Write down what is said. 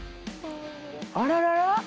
あららら。